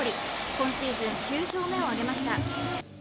今シーズン９勝目を挙げました。